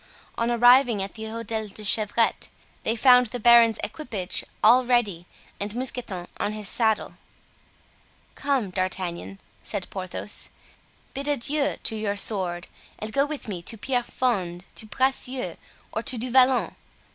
On arriving at the Hotel de la Chevrette they found the baron's equipage all ready and Mousqueton on his saddle. "Come, D'Artagnan," said Porthos, "bid adieu to your sword and go with me to Pierrefonds, to Bracieux, or to Du Vallon.